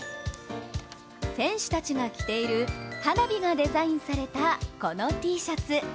選手たちが着ている花火がデザインされたこのＴシャツ。